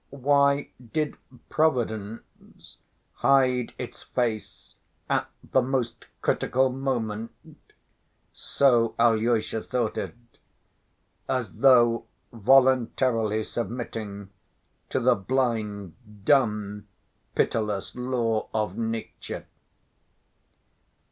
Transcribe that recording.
Why did Providence hide its face "at the most critical moment" (so Alyosha thought it), as though voluntarily submitting to the blind, dumb, pitiless laws of nature?